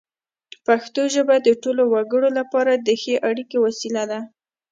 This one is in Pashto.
پښتو ژبه د ټولو وګړو لپاره د ښې اړیکې وسیله ده.